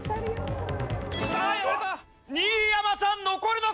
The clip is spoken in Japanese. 新山さん残るのか？